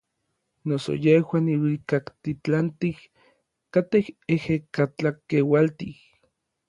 Noso yejuan iluikaktitlantij katej ejekatlakeualtij.